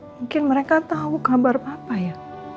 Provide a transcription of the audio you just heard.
mungkin mereka tahu kabar papa ya